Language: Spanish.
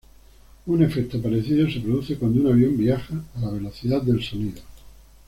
Un efecto parecido se produce cuando un avión viaja a la velocidad del sonido.